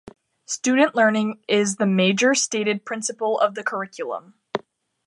Student learning is the major stated principle of the Curriculum.